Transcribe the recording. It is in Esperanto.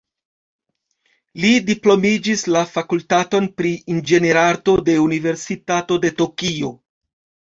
Li diplomiĝis la fakultaton pri inĝenierarto de Universitato de Tokio.